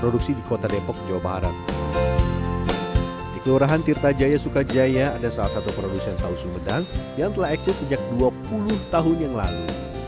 di kelurahan tirtajaya sukajaya ada salah satu produsen tahu sumedang yang telah eksis sejak dua puluh tahun yang lalu